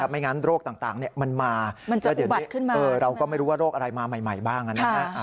ไม่งั้นโรคต่างมันจะอุบัติขึ้นมาเราก็ไม่รู้ว่าโรคอะไรมาใหม่บ้างนะฮะ